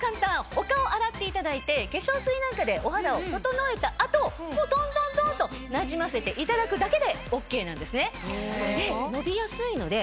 お顔洗っていただいて化粧水なんかでお肌を整えた後トントントンとなじませていただくだけでＯＫなんですね。